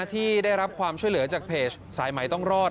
ที่ได้รับความช่วยเหลือจากเพจสายใหม่ต้องรอด